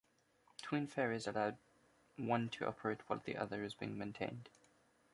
Twin ferries allow one to operate while the other is being maintained.